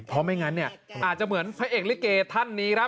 เพราะไม่งั้นเนี่ยอาจจะเหมือนพระเอกลิเกท่านนี้ครับ